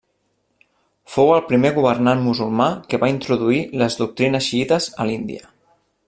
Fou el primer governant musulmà que va introduir les doctrines xiïtes a l'Índia.